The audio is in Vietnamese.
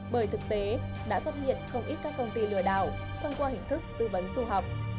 bởi thực tế đã xuất hiện không ít các công ty lừa đảo thông qua hình thức tư vấn du học